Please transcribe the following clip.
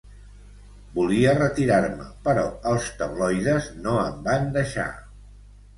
Volia retirar-me, però els tabloides no em van deixar.